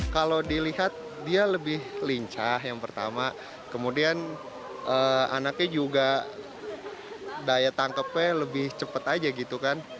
kalau dilihat dia lebih lincah yang pertama kemudian anaknya juga daya tangkepnya lebih cepat aja gitu kan